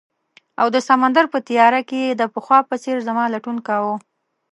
او د سمندر په تیاره کې یې د پخوا په څیر زما لټون کاؤه